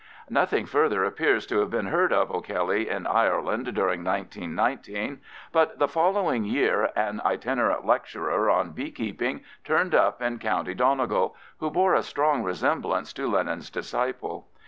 Nothing further appears to have been heard of O'Kelly in Ireland during 1919, but the following year an itinerant lecturer on beekeeping turned up in Co. Donegal, who bore a strong resemblance to Lenin's disciple.